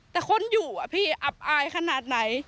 แต่คนอยู่พี่อับอายขนาดไหน